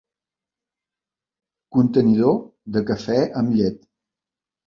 Contenidor de cafè amb llet.